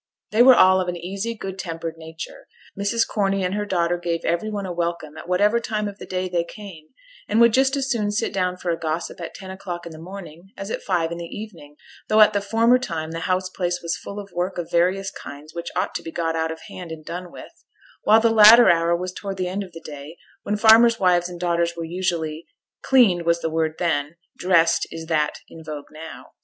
They were all of an easy, good tempered nature; Mrs. Corney and her daughters gave every one a welcome at whatever time of the day they came, and would just as soon sit down for a gossip at ten o'clock in the morning, as at five in the evening, though at the former time the house place was full of work of various kinds which ought to be got out of hand and done with: while the latter hour was towards the end of the day, when farmers' wives and daughters were usually 'cleaned' was the word then, 'dressed' is that in vogue now.